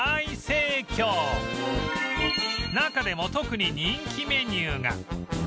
中でも特に人気メニューが